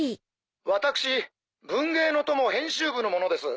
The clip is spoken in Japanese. ☎私『文芸の友』編集部の者です。